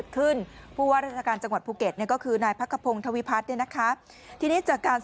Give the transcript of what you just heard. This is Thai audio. คุณผู้ชมต่อมาค่ะ